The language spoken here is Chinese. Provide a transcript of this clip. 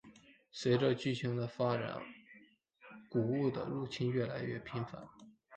随着剧情的发展古物的入侵越来越频繁。